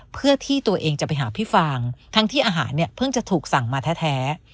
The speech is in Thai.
เพื่อที่ตัวเองจะไปหาพี่ฟางทั้งที่อาหารเนี่ยเพิ่งจะถูกสั่งมาแท้